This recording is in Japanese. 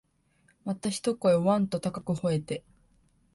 また一声、わん、と高く吠えて、